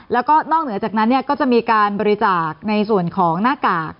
แล้วก็นอกเหนือจากนั้นก็จะมีการบริจาคในส่วนของหน้ากาก